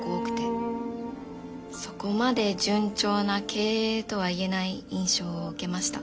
そこまで順調な経営とは言えない印象を受けました。